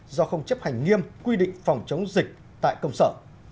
do không chấp hành nghiêm quy định phòng chống dịch tại công sở